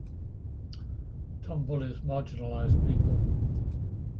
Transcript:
Tom bullies marginalized people.